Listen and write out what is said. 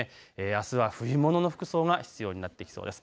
あすは冬物の服装が必要になってきそうです。